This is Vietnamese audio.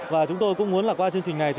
và chúng tôi cũng muốn qua chương trình này